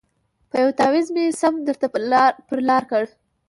په یوه تعویذ مي سم درته پر لار کړ